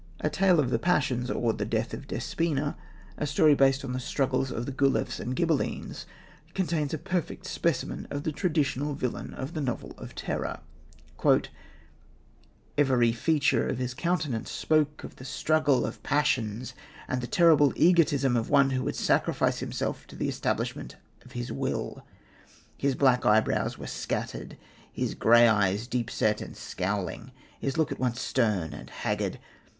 A Tale of the Passions, or the Death of Despina a story based on the struggles of the Guelphs and the Ghibellines, contains a perfect specimen of the traditional villain of the novel of terror: "Every feature of his countenance spoke of the struggle of passions and the terrible egotism of one who would sacrifice himself to the establishment of his will: his black eyebrows were scattered, his grey eyes deep set and scowling, his look at once stern and haggard.